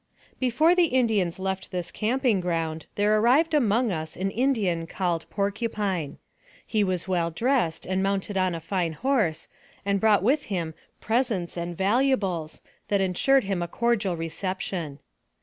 BEFORE the Indians left this camping ground, there arrived among us an Indian called Porcupine. He was well dressed, and mounted on a fine horse, and brought with him presents and valuables that insured him a cordial reception.